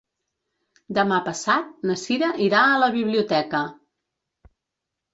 Demà passat na Sira irà a la biblioteca.